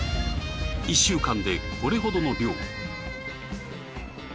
１週間でこれほどの量。